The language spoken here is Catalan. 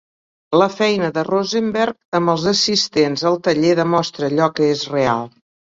La feina de Rosenberg amb els assistents al taller demostra allò que és real.